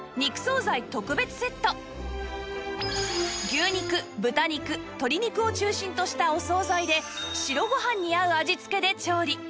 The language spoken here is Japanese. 牛肉豚肉鶏肉を中心としたお惣菜で白ご飯に合う味付けで調理